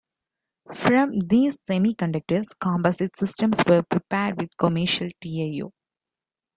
From these semiconductors composite systems were prepared with commercial TiO.